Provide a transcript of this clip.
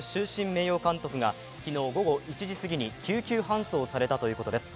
名誉監督が昨日午後１時すぎに救急搬送されたということです。